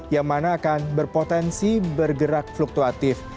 yang mana akan berpotensi bergerak fluktuatif